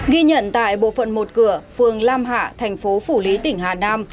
ghi nhận tại bộ phận một cửa phường lam hạ thành phố phủ lý tỉnh hà nam